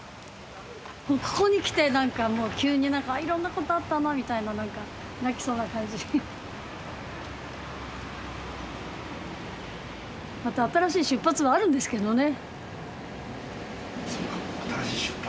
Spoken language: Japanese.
ここに来て何か急に何かいろんなことあったなみたいな何か泣きそうな感じまた新しい出発はあるんですけどね